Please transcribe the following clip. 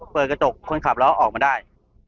เปิดกระจกคนขับแล้วออกมาได้